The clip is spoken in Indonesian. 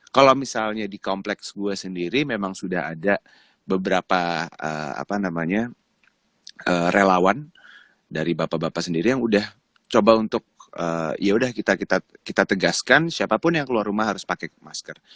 kalau misalnya di kompleks gue sendiri memang sudah ada beberapa relawan dari bapak bapak sendiri yang udah coba untuk yaudah kita tegaskan siapapun yang keluar rumah harus pakai masker